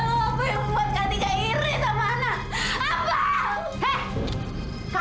lalu apa yang membuat kak tika iri sama ana apa